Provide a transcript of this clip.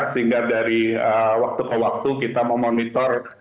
sehingga dari waktu ke waktu kita memonitor